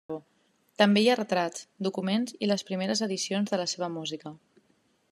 També hi ha retrats, documents i les primeres edicions de la seva música.